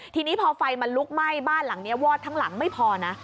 ทีนี้พอไฟมันลุกไหม้บ้านหลังนี้วอดทั้งหลังไม่พอนะ